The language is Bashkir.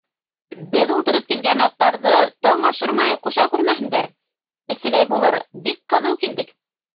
Беҙ ултырып килгән аттарҙы таң ашырмай ҡуша күрмәһендәр, эҫеләй булыр, бик ҡыҙыу килдек.